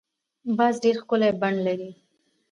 باز ډېر ښکلی بڼ لري